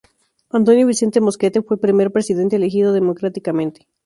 Antonio Vicente Mosquete fue el primer presidente elegido democráticamente.